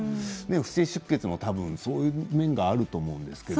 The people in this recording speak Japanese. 不正出血もそういうのがあると思いますけど。